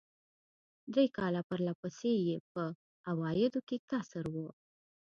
درې کاله پر له پسې یې په عوایدو کې کسر و.